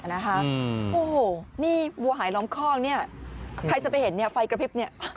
โอ้โหนี่วัวหายล้อมคล่องนี่ใครจะไปเห็นไฟกระพริบนี่